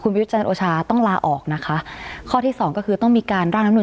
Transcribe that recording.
ประยุทธ์จันทร์โอชาต้องลาออกนะคะข้อที่สองก็คือต้องมีการร่างน้ำหนุ